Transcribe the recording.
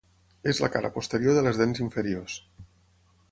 És la cara posterior de les dents inferiors.